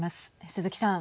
鈴木さん。